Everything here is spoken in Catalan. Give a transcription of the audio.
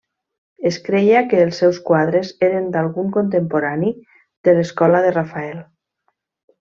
Es creia que els seus quadres eren d'algun contemporani de l'escola de Rafael.